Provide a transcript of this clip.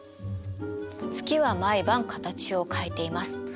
月は毎晩形を変えています。